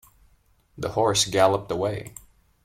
The horse galloped away.